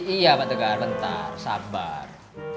iya pak tegar lentar sabar